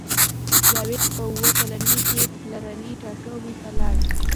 جاوید په اوه کلنۍ کې پلرني ټاټوبي ته لاړ